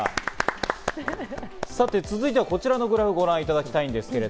さて続いては、こちらのグラフをご覧いただきたいと思います。